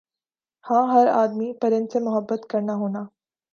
ہاں ہَر آدمی پرند سے محبت کرنا ہونا